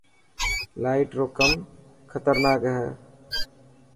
لائٽ رو ڪم خطرناڪ هي.